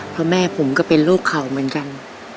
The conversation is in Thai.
เพราะแม่ผมก็เป็นโรคเข่าเหมือนกัน